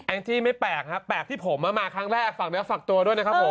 งจี้ไม่แปลกครับแปลกที่ผมมาครั้งแรกฝากเนื้อฝากตัวด้วยนะครับผม